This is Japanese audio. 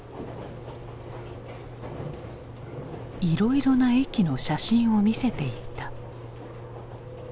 いろいろな駅の写真を見せていった。